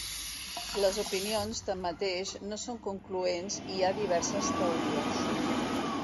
Les opinions, tanmateix, no són concloents i hi ha diverses teories.